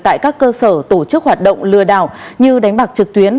tại các cơ sở tổ chức hoạt động lừa đảo như đánh bạc trực tuyến